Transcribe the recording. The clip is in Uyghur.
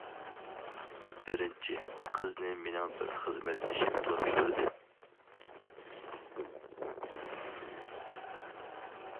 بىرىنچى قىزنى مېنىڭ بىر خىزمەتدىشىم تونۇشتۇردى.